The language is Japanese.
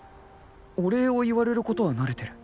お礼を言われることは慣れてる